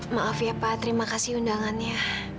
maaf ya pak terima kasih undangannya